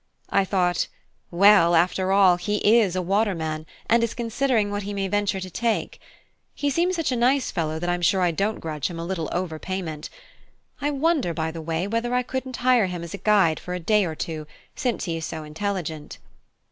I thought, Well after all, he is a waterman, and is considering what he may venture to take. He seems such a nice fellow that I'm sure I don't grudge him a little over payment. I wonder, by the way, whether I couldn't hire him as a guide for a day or two, since he is so intelligent.